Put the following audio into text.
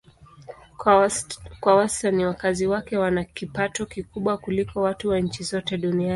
Kwa wastani wakazi wake wana kipato kikubwa kuliko watu wa nchi zote duniani.